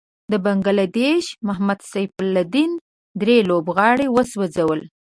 د بنګله دېش محمد سيف الدين دری لوبغاړی وسوځل.